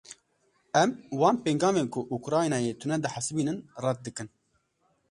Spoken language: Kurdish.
Em wan pêngavên ku Ukraynayê tune dihesibînin red dikin.